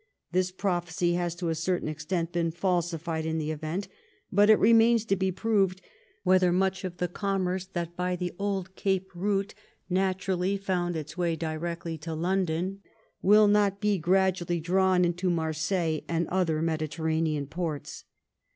This propheoy has to a certain extent been falsified in the event, but it remains to be proved whether much of the commerce that by the old Gape route naturally found its way directly to London, will not be gradually drawn into Marseilles and other Mediterranean ports.